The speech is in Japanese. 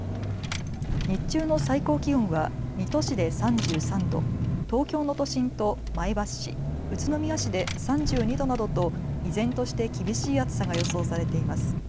日中の最高気温は水戸市で３３度、東京の都心と前橋市、宇都宮市で３２度などと依然として厳しい暑さが予想されています。